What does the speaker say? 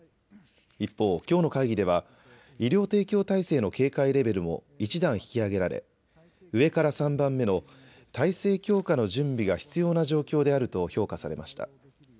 一方、きょうの会議では医療提供体制の警戒レベルも１段引き上げられ上から３番目の体制強化の準備が必要な状況であると評価されました。